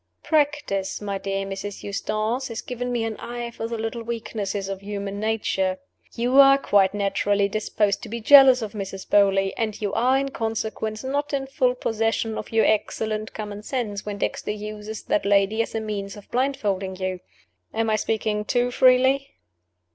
"Practice, my dear Mrs. Eustace, has given me an eye for the little weaknesses of human nature. You are (quite naturally) disposed to be jealous of Mrs. Beauly; and you are, in consequence, not in full possession of your excellent common sense when Dexter uses that lady as a means of blindfolding you. Am I speaking too freely?"